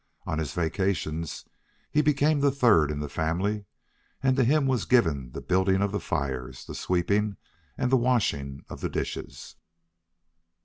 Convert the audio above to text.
On his vacations he became the third in the family, and to him was given the building of the fires, the sweeping, and the washing of the dishes.